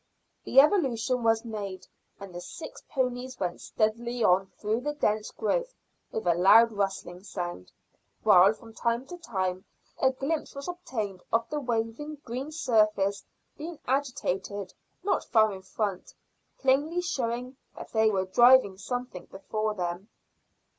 The evolution was made, and the six ponies went steadily on through the dense growth with a loud rustling sound, while from time to time a glimpse was obtained of the waving green surface being agitated not far in front, plainly showing that they were driving something before them.